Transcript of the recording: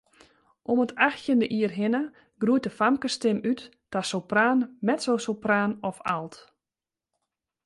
Om it achttjinde jier hinne groeit de famkesstim út ta sopraan, mezzosopraan of alt.